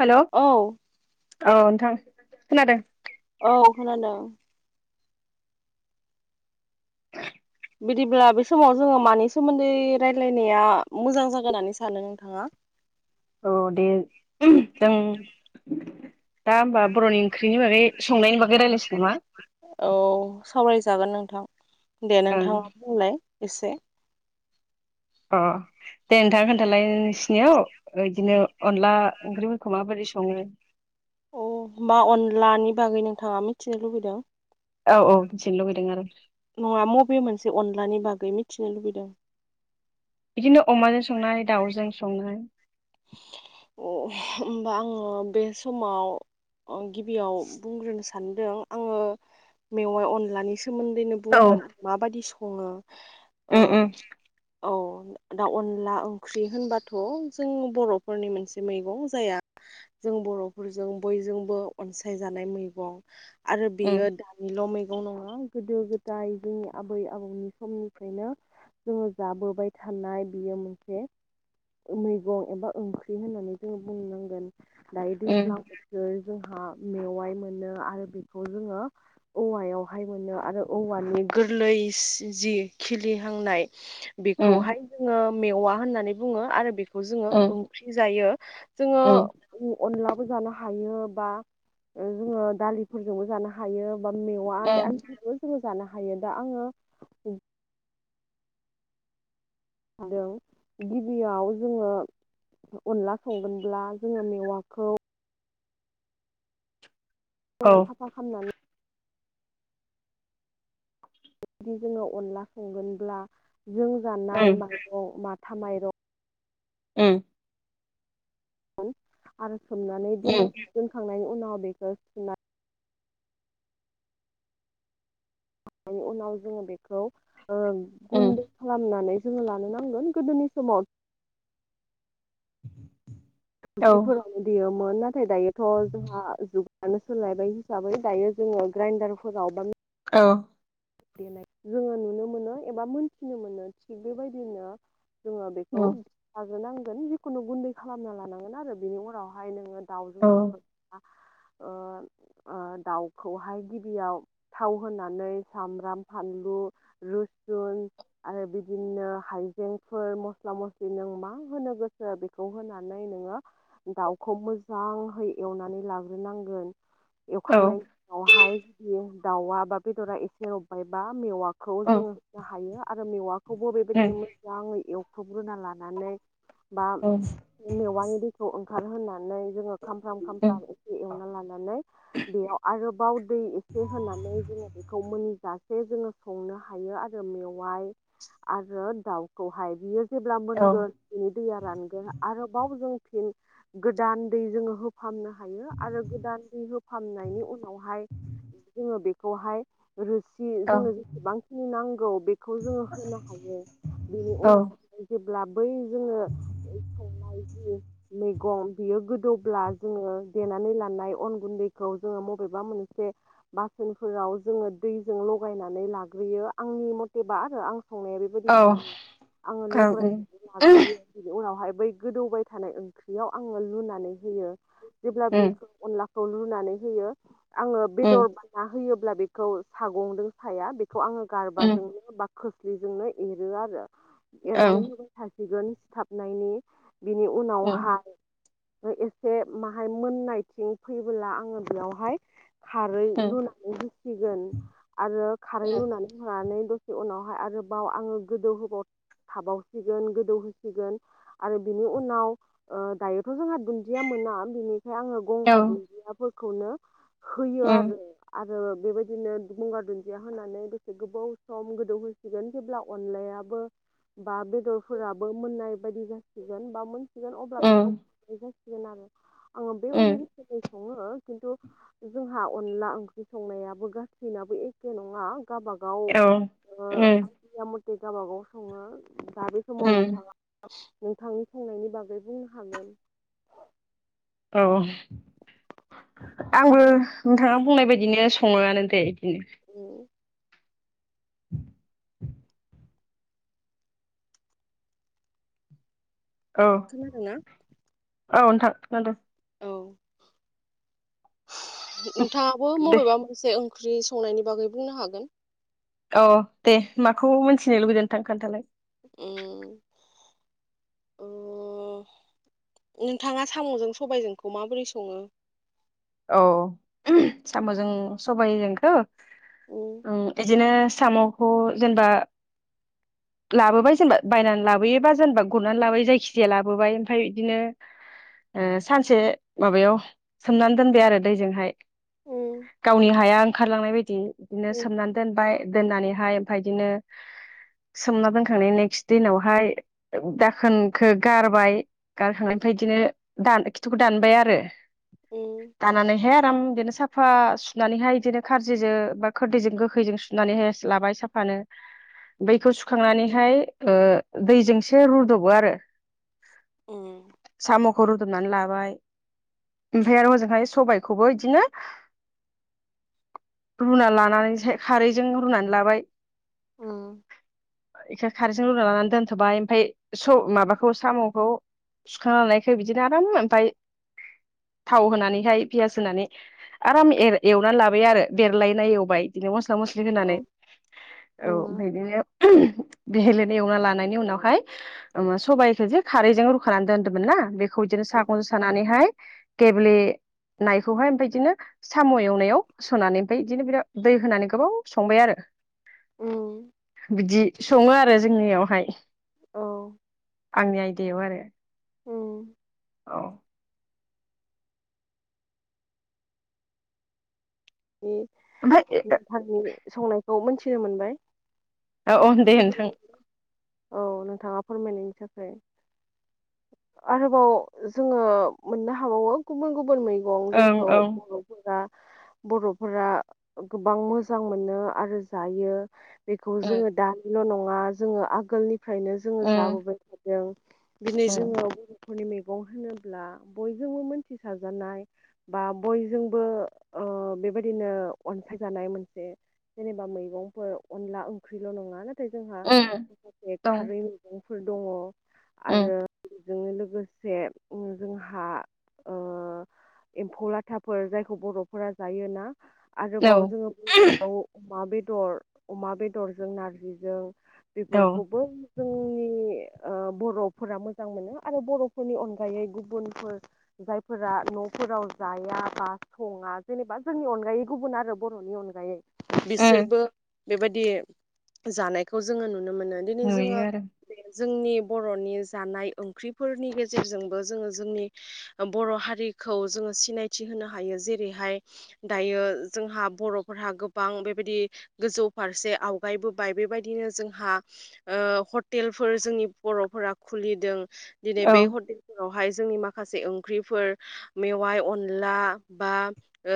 हेल' औ औ नोंथां खोनादों। औ खोनादों। बिदिब्ला बे समाव जोङो मानि सोमोन्दै रायलायनाया मोजां जागोन होननानै सानो नोंथाङा? औ दे जों दा होमबा बर'नि ओंख्रिनि बागै संनायनि बागै रायलायसै नामा? जागोन नोंथां दे ओं नोंथाङा बुंलाय एसे अ दे नोंथां खोन्थालाय नोंसिनियाव बिदिनो अनला ओंख्रिफोरखौ माबोरै सङो? अ होमबा अनलानि बागै नोंथाङा मिथिनो लुबैदों? औ औ मिथिनो लुुबैदों आरो। नङा बबे मोनसे अनलानि बागै मिथिनो लुबैदों? बिदिनो अमाजों संनाय दाउजों संनाय। अ होमबा आङो बे समाव गिबियाव बुंग्रोनो सानदों आङो मेवाइ अनलानि सोमोन्दैनो बुंगोन माबादि सङो। ओ ओ औ दा अनला ओंख्रि होनबाथ' जों बर'फोरनि मोनसे मैगं जाया जों बर'फोरजों बयजोंबो अनसाय जानाय मैगं आरो उम बेयो दानिल' मैं गं नङा गोदो गोदाय जोंनि आबै आबौनि समनिफ्रायनो जोङो जाबोबाय था थानाय बियो मोनसे मैगं एबा ओंख्रि होननानै जोङो बुंनांगोन। दायो उम दैज्लां बोथोर जोंहा मेवाइ मोनो आरो बेखौ जोङो औवायावहाय मोनो आरो औवानि गोरलै जि खिलिहांनाय उम खौहाय जोङो मेवा होननानै बुङो आरो बेखौ जोङो उम ओंख्रि जायो। जोङो। उम अनलाबो जानो हायो बा जोङो दालिफोरजोंबो जानो हायो। बा मेवाइ उम आनथाबो जोङो जानो हायो दा आङो आरो गिबियाव जोङो अनला संगोनब्ला जोङो मेवाखौ औ जोङो साफा खामनानै जुदि जोङो अनला संगोनब्ला जों जानाय उम माइरं माथ माथा माइरं ओ आरो सोमनानै उम दोनखांनायनि उनाव बेखौ सुनाय उनाव जोङो बेखौ उम गुन्दो खालामनानै जोङो लानो नांगोन गोदोनि समाव औ थौसिफोरावनो देयोमोन नाथाय दायोथ' जोंहा जु गानो सोलायबाय हिसाबै दायो जोङो ग्राइनडारफोराव बा औ जोङो नुनो मोनो एबा मोनथिनो मोनो थिग बेबायदिनो जोङो बेखौ औ [unintelligible] जिखुनु गुन्दै खालामना लानांगोन आरो बेनि उनावहाय नोङो दावजों औ सगै [unintelligible] ओ दाउखौहाय गिबियाव थाव होनानै सामब्राम, फानलु, रुसुन आरो बिदिनो हाइजेंफोर मसला मसलि नों मा होनो गोसो बेखौ होनानै नोङो दाउखौ मोजांहै एव नानै लाग्रोनांगोन औ एवखांनाय उनावहाय जुदि दावा बा बेदरा एसे रबबायबा मेवा खौ उम जोङो होनो हायो आरो मेवाखौबो उम बेबायदिनो मोजाङै एव थाथब [unintelligible] लानानै बा उम मेवानि दैखौ ओंखारहोनानै जोङो खामफ्राम - उम खामफ्राम एसे एवना लानानै बेयाव आरोबाव दै एसे होनानै जोङो बेखौ मोन जासे जोङो संनो हायो आरो मेवाइ आरो दाउखौहाय बियो जेब्ला औ मोनगोन बेनि दैया रानगोन आरोबाव जों गोदान दै जोङो होफामनो हायो आरो गोदान हो फामनायनि उनावहाय जोङो बेखौहाय सि औ जोंनो जेसेबांखिनि नांगौ बेखौ जोङो होनो हायो बेनि औ उनावहाय जेब्ला बै जोङो संनाय जि मैगं बियो गोदौब्ला जोङो देनानै लानाय अन गुन्दैखौ जोङो बबेबा मोनसे बासोनफोराव जोङो दैजों लगायनानै लाग्रोयो आंनि मतेबा आरो आं संनाया बेबायदि औ सङो आङो औ उम लग्रायनानै लाग्रोयो बिनि उनावहाय बै गोदौबाय थानाय ओंख्रियाव आङो लुनानै होयो जेब्ला उम बेखो अनला खौ लुनानै होयो आङो बेदर उम बाना होयोब्ला बेखौ सागंदों साया बे खौ आङो उम गारबाजोंनो बा खोस्लिजोंनो एरो आरो औ एरनानै होबाय था गोन सिथाबनायनि बिनि उम उनावहा एसे माहाय मोननायथिं फैबोला आङो बेयावहाय खारै उम लुनानै होसिगोन। आरो खारै लुनानै होआ नै दसे उनावहाय आरोबाव आंङो गोदौ होबाव थावसिगोन गोदौहोसिगोन आ रो बिनि उनाव ओ दायोथ' जोंहा दुन्दिया मोना बिनि फाय आङो औ गंगार उम दुुनदियाफोरखौनो होयो उम आरो आरो बेबायदिनो गंगार दुन्दिया होनानै दसे गोबाव सम गोदौहोसिगोन जेब्ला अनलायाबो बा बेदरफोराबो मोननाय बायदि जासिगोन बा मोन सिगोन अब्ला बेखौ उम फनाय जासिगोन आरो आङो बेबायदिनो सङो खिन्थु जोंहा अनला ओंख्रि संनायाबो गासिनाबो एखे नङा। गबागाव औ ओ उम आइदिया मथे गावाबागाव सङो। दा बेसमाव उम नोंथांङा नोंथांनि संनायनि बागै बुंनो हागोन। औ आंबो नोंथाङा बुंनाय बायदिनो सङोआनो दे इस उम [inaudible] औ खोनादोंना? औ नोंथां खोनादों। औ नोंथाङाबो दे मबेबा मोनसे ओंख्रि संनायनि बागै बुंनो हागोन। औ दे माखौ मिथिनो लुबैदों नोंथां खोन्थालाय। उम। अ नोंथाङा साम'जों सबायजोंखौ माबोरै सङो। अ साम'जों सबायाइजोंखो उम इदिनो साम'खौ जेनबा लाबोबाय जेनबा बायनानै लाबोयोबा जेनबा गरनानै लाबोयो जायखिजाया लाबोबाय ओमफाय यिदिनो ओ सानसे माबायाव सोमनानै दोनबाय आरो दैजोंहाय। उम गावनि हाया ओंखारलांनाय बायदि। बिदिनो उम सोमनानै दोनबाय दोननानैहाय ओमफाय इदिनो सोमना दोनखांनाय नेक्स्ट दिनावहाय दाखोनखो गारबाय। गारखांनायनफाय इदिनो दान खिथुखौ दानबाय आरो उम दानानानैहाय आ राम बिदिनो साफा सुनानैहाय इदिनो खारजिजों बा खोरदिजों गोखैजों सुनानैहाय लाबाय साफा नो‌ बैखौ उम सुखांनानैहाय ओ दैजों से रुदबो आरो। उम। ख रुदबनानै लाबाय ओमफ्राय आरो हजोंहाय सबायाइखौबो इदिनो रुना लानानैसाय खारैजों रुनानै लाबाय। उम। इखो खारेजों रुना लानानै दोनथ'बाय ओमफाय स माबाखौ साम'खौ। सुखांना लानायखाय बिदिनो आराम ओमफाय [inaudible] थाव होनानैहाय पियास होनानै आराम एर‌ एवनानै लाबाय आरो बेरलायनाय एवबाय बिनो अस स्ला मस्लि होनानै औ औ ओमफाय उम इदिनो। [inaudible] बेहेलेनि एवना लानायनि उनावहाय ओ सबायाइखो जो खारैजों रुखानानै दोनदोंमोन ना बेख खौ इदिनो सागंजों सानानैहाय गेबल नायखौहाय ओमफाय इदिनो साम' एवनायाव सोनानै ओमफाय बिदिनो बिर दै होनानै गोबाव संबाय आरो। उम। बिदि सङो आरो जोंनियावहाय औ आंनि आयदायाव आरो औ औ नि ओमफ्राय निथांनि संनायखौ मोनथिनो मोनबाय उम औ-औ दे नोंथां गोजोननाय औ नोंथाङा फोरमायनायनि थाखाय आरोबाव जोङो मोननो हाबावो गुबुन-गुबुन मै गं ओं जायखौ ओं बर'फोरा बर'फोरा गोबां मोजां मोनो आरो जायो बेखौ जोङो दानिल' नङा जोङो आगोलनि फ्रायनो जोङो उम जाबोबाय थादों दिनै उम जोङो खरनि मैगं होनोब्ला बयजोंबो मोनथिसाजानाय बा बयजोंबो ओ बेबायदिनो अनसायजानाय मोनसे जेनेबा मैगंफोर अनला ओंख्रिल' नङा ना थाय जोंहा उम माखासे दं खारै मैगंफोर दङ उम आरो जों लोगोसे ओम जोंहा ओ एम्फौ लाथाफोर जायखौ बर' फोरा जायोना औ आरोबाव जोङो [unintelligible] अमा बेद दर अमा बेदरजों नारजिजों औ बेफोरखौबो जोंनि ओ बर'फोरा मोजां मोनो आरो बर'फोरनि अनगायै गुबुनफोर जायफोरा न' फोराव जाया बा सङा जेनेबा जोंनि अनगायै गुबुन आरो बर'नि अनगायै उम बिसोरबो बेबायदि जानायखौ जोङो नुनो मोनो दिनै जोङो नुयो आरो बे जोंनि बर'नि जानाय ओंख्रिफोरनि गेजेरजोंबो जोङो जोंनि ओ बर' हारि खौ जोङो सिनायथि होनो हायो जेरैहाय दायो जोंहा बर'फोराहा गोबां बेबायदि गोजौ फारसे आवगायबोबाय बे बेबायदिनो जोंहा ओ हटेलफोर जोंनि बर'फोरा खुलिदों दिनै औ बे [unintelligible] आवहाय जोंनि माखासे ओंख्रिफोर मेवाय अनला बा ओ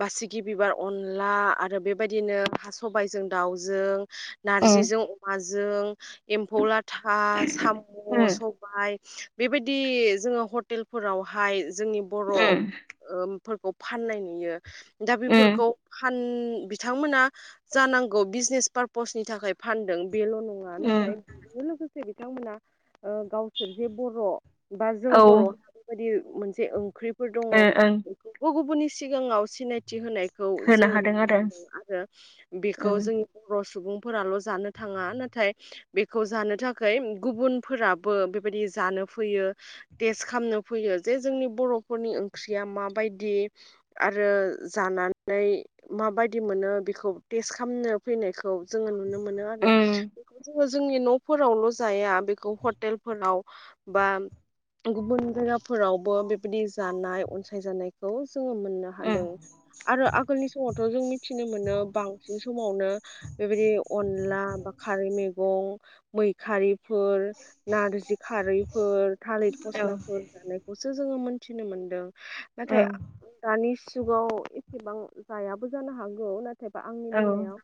बासिगि बिबार अनला आरो बेबायदिनो हा सबायजों दाउजों उम नारजिजों अमाजों एम्फौ लाथा साम' उम सबाय बेबायदि जोङो हटेलफोरावहाय जोंनि बर' ओ उम फोरखौ। फाननाय नुयो दा उम बेफोरखौ फान बिथांमोना जानांगौ बिजनेस पार्पसनि थाखाय फानदों। बेल' नङा नाथाय उम बेजोंनो लोगोसे बिथांमोना ओ गावसोर जे बर' बा जों औ ओं बर'हा बेबायदि मोनसे ओंख्रिफोर दङ ओं बेखौ गु गुबुननि सिगाङाव सिनायथि होनाय। खौ होनो जोङो हादों नुनो आरो मोनदों उम आरो बेखौ जोंनि बर' सुबुं फोराल' जानो थाङा नाथाय बेखौ जानो थाखाय गुबुनफोराबो बेबायदि जानो फैयो देस्द खामनो जे जोंनि बर'फोरनि ओंख्रिया मा बायदि आरो जानानै माबायदि मोनो बेखौ थेस्द खामनो फैनाय खौ जोङो नुनो मोनो आरो उम बेखौ खो जोंनि न'फोरावल' जाया बेखौ हटेलफोराव बा गुबुन जायगाफोरावबो बेबायदि जानाय अनसाय जानाय जोङो मोननो उम हादों। आरो आगोलनि समावथ' जों मिथिनो मोनो बांसिन समावनो बेबायदि अनला बा खारै मैगं मैखारि फोर नारजि खारैफोर थालिर औ फस्लाफोर जानायखौसो जोङो मोनथिनो मोनदों औ नाथाय दानि जुगाव एसेबां जायाबो जानो हागौ नाथाय नथायबा आंनि औ बेलायाव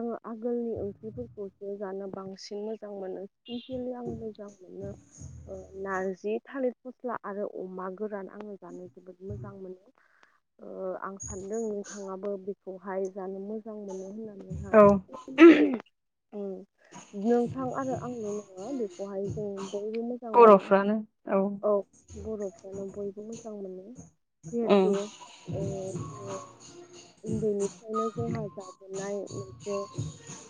आङो आगोलनि ओंख्रिफोरखौसो जानो बांसिन मोजां मोनो। स्पेसियेलि आं मोजां मोनो ओ नारजि थालिर फस्ला आरो अमा गोरान आङो जानो जोबोद मोजां। ओ मोनो आं सानदों नोंथाङाबो बेखौहाय जानो मोजां मोनो। होननानैहा नोंथां आरो आंल' नङा बेखौहाय जों बयबो मोजां मोनो। औ बर'फ्रानो बयबो मोजां मोनो। जिहेथु उम ओ ओ उन्दैनिफ्रायनो जोंहा जाबोनाय। जे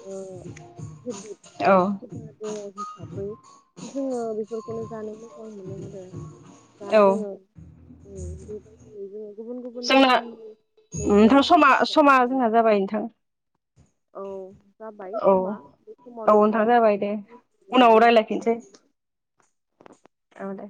ओ हेबिद औ एबा हुदा दङ। हिसाबै जोङो बेफोरखौनो जानो मोजां मोनो आरो दा औ जोङो। बेबायदि जोङो गुबुन गुबुन जोंना रोखोमनि मैगं नोंथां समा जानो समा हायो जोंहा जाबाय नोंथां। औ जाबाय समा औ बे समाव औ नोंथां जाबाय दे उनाव मोननानै गोसो रायलायफिनसै [inaudible] औ दे